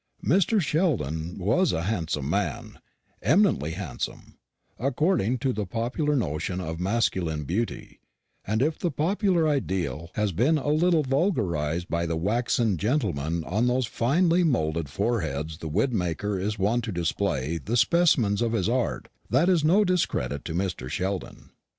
Mr. Sheldon was a handsome man eminently handsome, according to the popular notion of masculine beauty; and if the popular ideal has been a little vulgarised by the waxen gentlemen on whose finely moulded foreheads the wig maker is wont to display the specimens of his art, that is no discredit to Mr. Sheldon.